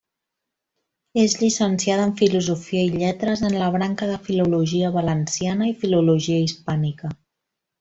És llicenciada en Filosofia i Lletres en la branca de Filologia Valenciana i Filologia Hispànica.